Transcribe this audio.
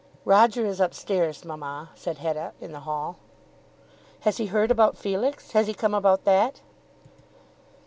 "Roger is up stairs, mamma," said Hetta in the hall. "Has he heard about Felix; has he come about that?"